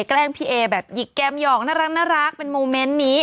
แกล้งพี่เอแบบหยิกแกมหยอกน่ารักเป็นโมเมนต์นี้